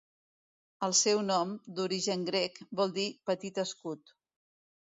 El seu nom, d'origen grec, vol dir 'petit escut'.